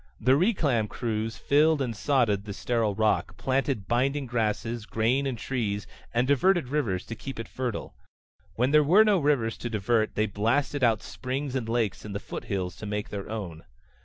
The reclam crews filled and sodded the sterile rock, planted binding grasses, grain and trees, and diverted rivers to keep it fertile. When there were no rivers to divert they blasted out springs and lakes in the foothills to make their own.